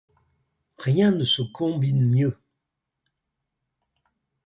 Rien ne se combine mieux.